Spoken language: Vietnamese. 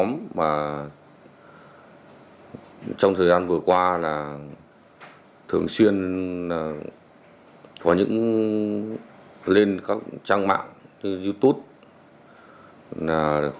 trong thời gian vừa qua là thường xuyên có những lên các trang mạng như youtube